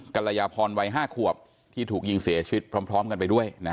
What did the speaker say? กรยาพรวัย๕ขวบที่ถูกยิงเสียชีวิตพร้อมกันไปด้วย